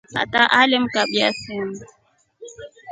Tata alemkabya simu.